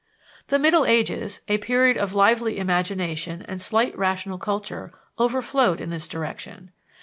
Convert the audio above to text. The middle ages a period of lively imagination and slight rational culture overflowed in this direction.